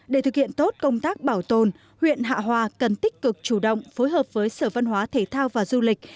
để thực hiện tốt công tác bảo tồn huyện hạ hòa cần tích cực chủ động phối hợp với sở văn hóa thể thao và du lịch